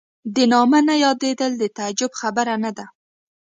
د نامه نه یادېدل د تعجب خبره نه ده.